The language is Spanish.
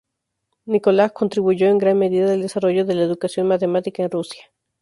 Nikolaj contribuyó en gran medida al desarrollo de la educación matemática en Rusia.